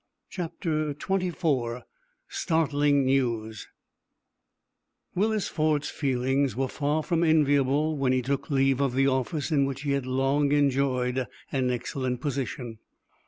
CHAPTER XXIV STARTLING NEWS Willis Ford's feelings were far from enviable when he took leave of the office in which he had long enjoyed an excellent position.